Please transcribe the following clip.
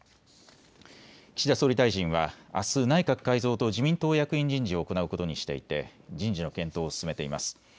岸田総理大臣は、あす内閣改造と自民党役員人事を行うことにしていて人事の検討を進めています。